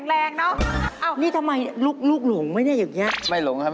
เสื้อสีน้ำเงินนี่รุ่นแหลกไหม